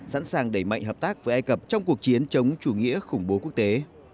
sẵn sàng đẩy mạnh hợp tác với egypt trong cuộc chiến chống chủ nghĩa khủng bố quốc tế